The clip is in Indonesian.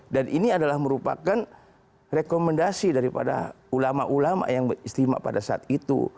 dan ini adalah merupakan rekomendasi daripada ulama ulama yang istimewa pada saat itu